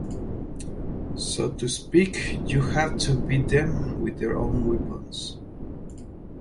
So to speak, you have to beat them with their own weapons.